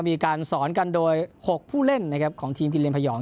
มีการสอนกันโดย๖ผู้เล่นของทีมจีนเรียนพยอง